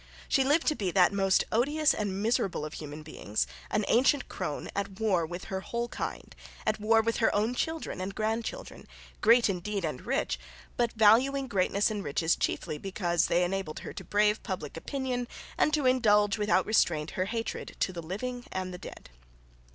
She lived to be that most odious and miserable of human beings, an ancient crone at war with her whole kind, at war with her own children and grandchildren, great indeed and rich, but valuing greatness and riches chiefly because they enabled her to brave public opinion and to indulge without restraint her hatred to the living and the dead.